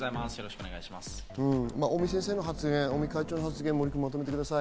尾身先生の発言、尾身会長の発言をまとめましょう。